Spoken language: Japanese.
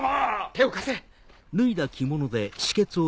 手を貸せ。